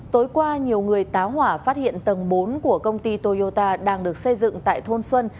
tối qua nhiều người táo hỏa phát hiện tầng bốn của công ty toyota đang được xây dựng tại thôn xuân